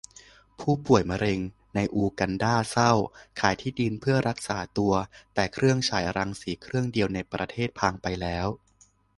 ผู้ป่วยมะเร็งในอูกันดาเศร้า ขายที่ดินเพื่อมารักษาตัว แต่เครื่องฉายรังสีเครื่องเดียวในประเทศพังไปแล้ว